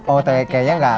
oh kayaknya enggak